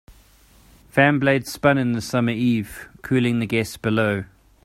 Fan blades spun in the summer's eve, cooling the guests below.